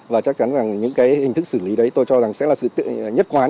và chắc chắn là những cái hình thức xử lý đấy tôi cho rằng sẽ là sự nhất khoán